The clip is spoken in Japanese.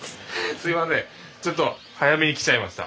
すいませんちょっと早めに来ちゃいました。